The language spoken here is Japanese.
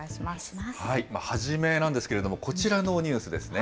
初めなんですけれども、こちらのニュースですね。